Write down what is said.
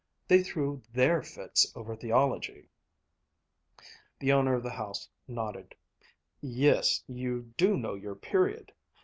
They threw their fits over theology!" The owner of the house nodded. "Yes, you know your period!